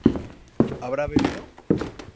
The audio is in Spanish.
¿habrá bebido?